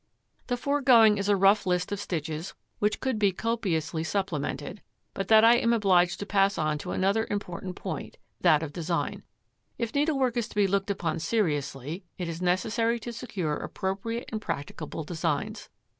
The foregoing is a rough list of stitches which could be copiously supplemented, but that I am obliged to pass on to another important point, that of design. If needlework is to be looked upon seriously, it is necessary to secure appropriate and practicable designs.